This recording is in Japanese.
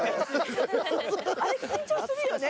あれ緊張するよね。